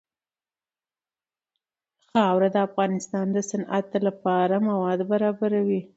خاوره د افغانستان د صنعت لپاره مواد برابروي.